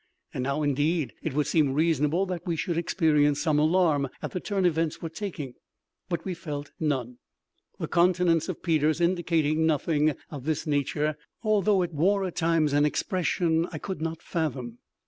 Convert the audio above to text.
And now,—indeed, it would seem reasonable that we should experience some alarm at the turn events were taking—but we felt none. The countenance of Peters indicated nothing of this nature, although it wore at times an expression I could not fathom.